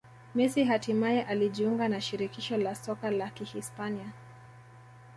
Messi hatimaye alijiunga na Shirikisho la Soka la Kihispania